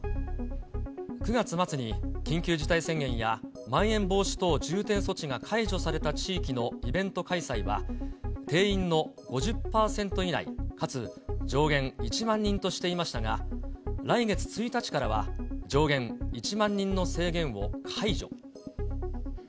９月末に緊急事態宣言やまん延防止等重点措置が解除された地域のイベント開催は、定員の５０％以内かつ上限１万人としていましたが、来月１日からは、上限１万人の制限を解除。